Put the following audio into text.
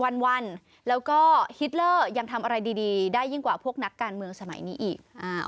วันแล้วก็ฮิตเลอร์ยังทำอะไรดีได้ยิ่งกว่าพวกนักการเมืองสมัยนี้อีก